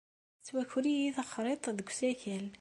Tettwaker-iyi texriḍt deg usakal.